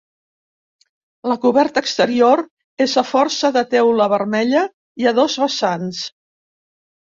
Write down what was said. La coberta exterior és a força de teula vermella i a dos vessants.